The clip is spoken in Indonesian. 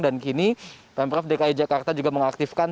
dan kini pemprov dki jakarta juga mengaktifkan